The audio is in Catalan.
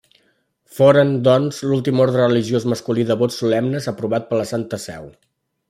Foren, doncs, l'últim orde religiós masculí de vots solemnes aprovat per la Santa Seu.